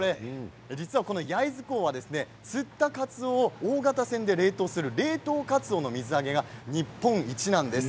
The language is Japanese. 実は焼津港は釣ったカツオを大型船で冷凍する冷凍カツオの水揚げが日本一なんです。